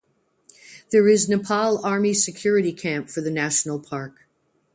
There is Nepal Army security camp for the National park.